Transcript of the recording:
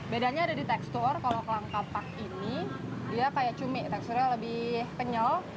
bedanya ada di tekstur kalau kelangkapark ini dia kayak cumi teksturnya lebih kenyal